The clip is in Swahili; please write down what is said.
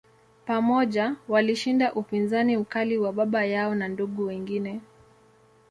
Pamoja, walishinda upinzani mkali wa baba yao na ndugu wengine.